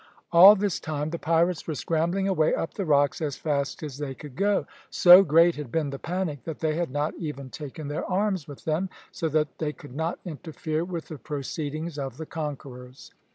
All this time the pirates were scrambling away up the rocks as fast as they could go. So great had been the panic that they had not even taken their arms with them, so that they could not interfere with the proceedings of the conquerors.